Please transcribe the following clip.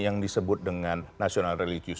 yang disebut dengan national religius